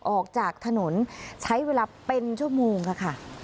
ออกจากถนนใช้เวลาเป็นชั่วโมงค่ะ